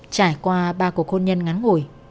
trải qua ba cuộc hôn nhân ngắn ngủi